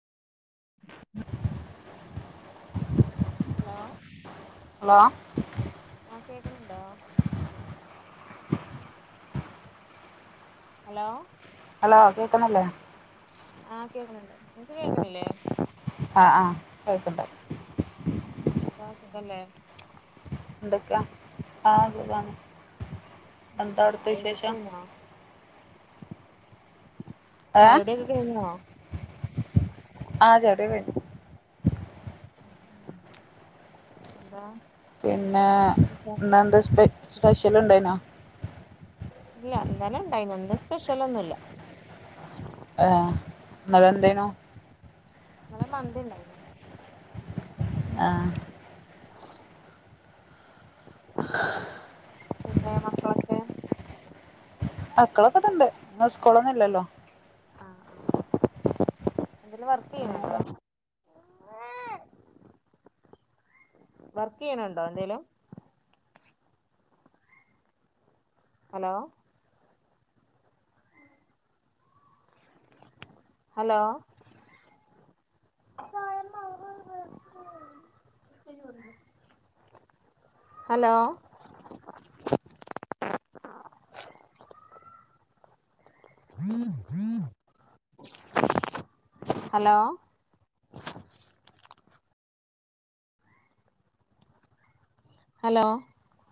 [inaudible] Hello. Hello. ആഹ് കേക്ക്ണണ്ടോ? Hello. Hello കേക്ക്ന്നില്ലേ? ആ കേക്ക്ണണ്ട്, നിങ്ങക്ക് കേക്ക്ണില്ലേ? ആഹ് ആഹ് കേൾക്ക്ണ്ട്. എന്താ സുഖല്ലേ? എന്തൊക്കെയാ ആഹ് സുഖണ് എന്താ അവ്ട്ത്തെ ചായകുടിയൊക്കെ വിശേഷം? കഴിഞ്ഞോ ഏ ചായോടിക്കെ കയ്ഞ്ഞോ? ആ ചായോടിക്കെ കെയ്ഞ്ഞു. എന്താ പിന്നെ വേറെന്താ വിശേഷം ഇന്നന്താ സ്പെ സ്പെഷ്യല് ഇണ്ടായ്നോ? ഇല്ല ഇന്നലെ ഇണ്ടായിനു ഇന്ന് സ്പെഷ്യലൊന്നും ഇല്ല. ആഹ് ഇന്നലെ എന്തേനു? ഇന്നലെ മന്തിണ്ടായ്നു. ആഹ്. പിന്നെ മക്കളോ മക്കളൊക്കെ ഇവിട ഇണ്ട് ഇന്ന് സ്കൂളൊന്നും ഇല്ലല്ലോ. ആഹ് ആഹ് എന്തേലും വർക്കിയ്യ്ണണ്ടോ? വർക്ക്യ്യ്ണണ്ടോ എന്തേലും? Hello. Hello. [unintelligible] Hello hello hello